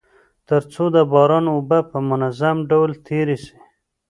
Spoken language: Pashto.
تر څو د باران اوبه په منظم ډول تيري سي.